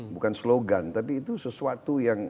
bukan slogan tapi itu sesuatu yang